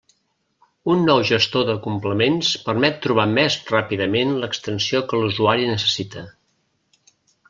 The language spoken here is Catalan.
Un nou gestor de complements permet trobar més ràpidament l'extensió que l'usuari necessita.